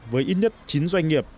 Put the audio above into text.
với ít nhất chín doanh nghiệp